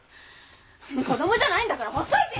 もう子供じゃないんだからほっといてよ！